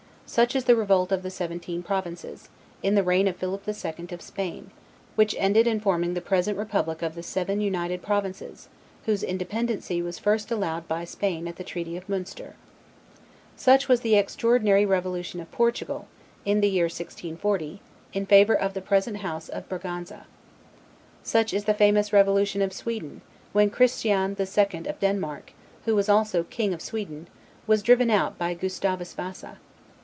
Such is the revolt of the Seventeen Provinces, in the reign of Philip the Second of Spain, which ended in forming the present republic of the Seven United Provinces, whose independency was first allowed by Spain at the treaty of Munster. Such was the extraordinary revolution of Portugal, in the year 1640, in favor of the present House of Braganza. Such is the famous revolution of Sweden, when Christian the Second of Denmark, who was also king of Sweden, was driven out by Gustavus Vasa.